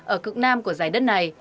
ở cực nam của giải đất này